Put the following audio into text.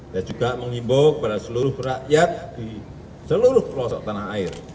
saya juga mengimbau kepada seluruh rakyat di seluruh pelosok tanah air